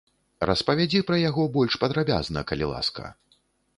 Распавядзі пра яго больш падрабязна, калі ласка.